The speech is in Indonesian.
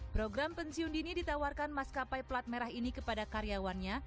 program pensiun dini ditawarkan maskapai pelat merah ini kepada karyawannya